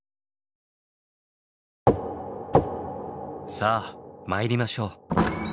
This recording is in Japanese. さあ参りましょう。